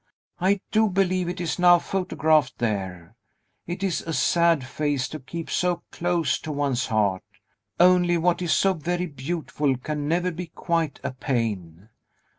I do believe it is now photographed there. It is a sad face to keep so close to one's heart; only what is so very beautiful can never be quite a pain.